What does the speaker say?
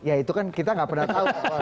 ya itu kan kita nggak pernah tahu